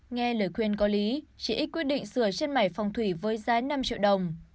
nghe lời khuyên có lý chị x quyết định sửa chân mày phong thủy với giá năm triệu đồng